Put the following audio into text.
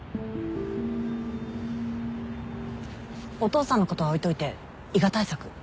お父さんのことは置いといて伊賀対策どうする？